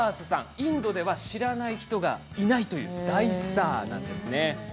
インドでは知らない人はいないという大スターです。